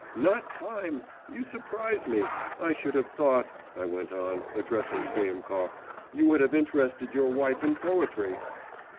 'Not time! You surprise me! I should have thought,' I went on, addressing Priemkov, 'you would have interested your wife in poetry.